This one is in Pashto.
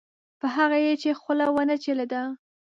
په هغه یې چې خوله ونه چلېده.